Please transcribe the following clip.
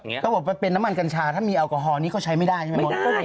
เขาบอกว่าเป็นน้ำมันกัญชาถ้ามีแอลกอฮอลนี้ก็ใช้ไม่ได้ใช่ไหมมด